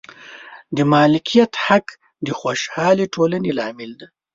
د مالکیت حق د خوشحالې ټولنې لامل دی.